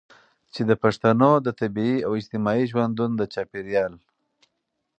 چې د پښتنو د طبیعي او اجتماعي ژوندون د چاپیریال